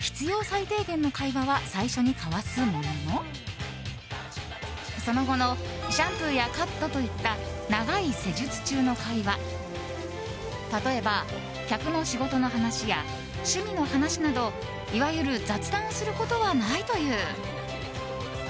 最低限の会話は最初に交わすもののその後のシャンプーやカットといった長い施術中の会話例えば客の仕事の話や趣味の話などいわゆる雑談することはないという。